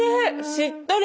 しっとり。